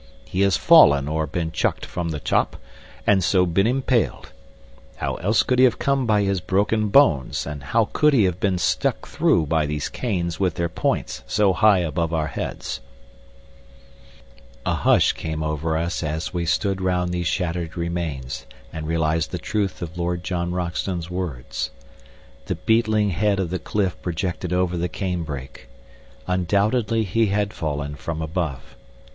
He has fallen or been chucked from the top, and so been impaled. How else could he come by his broken bones, and how could he have been stuck through by these canes with their points so high above our heads?" A hush came over us as we stood round these shattered remains and realized the truth of Lord John Roxton's words. The beetling head of the cliff projected over the cane brake. Undoubtedly he had fallen from above.